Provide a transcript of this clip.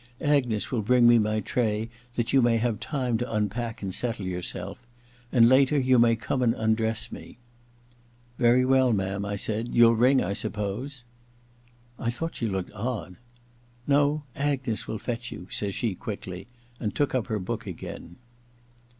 * Agnes will bring me my tray, that you may have time to unpack and settle your self ; and later you may come and undress me.' • Very well, ma'am,' I s^d. * You'll ring, I suppose ?' I thought she looked odd. I THE LADTS MAID'S BELL 127 * No — Agnes will fetch you/ says she quickly, and took up her book again.